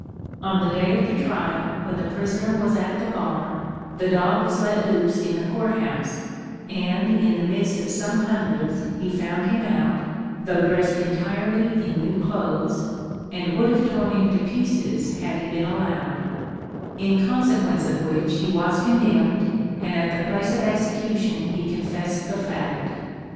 On the day of trial, when the prisoner was at the bar, the dog was let loose in the court house, and in the midst of some hundreds he found him out (though dressed entirely in new clothes), and would have torn him to pieces had he been allowed; in consequence of which he was condemned, and at the place of execution he confessed the fact.